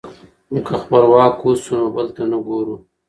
که خپلواک اوسو نو بل ته نه ګورو.